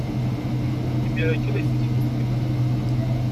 Imir-a kan ay ten-id-ufiɣ.